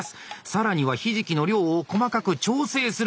更にはひじきの量を細かく調整する。